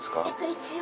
一応。